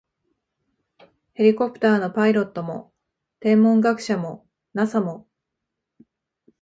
ヘリコプターのパイロットも、天文学者も、ＮＡＳＡ も、